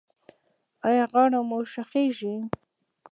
ایا غاړه مو شخیږي؟